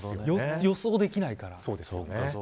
予想できないから。